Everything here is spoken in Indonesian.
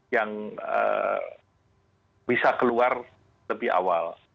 yang bisa keluar lebih awal